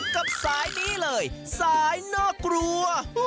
กับสายนี้เลยสายน่ากลัว